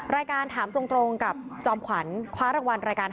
รายการถามตรงกับจอมขวัญคว้ารางวัลรายการ